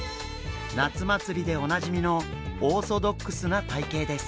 夏祭りでおなじみのオーソドックスな体形です。